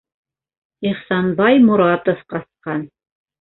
Ихсанбай Моратов ҡасҡан.